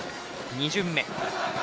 ２巡目。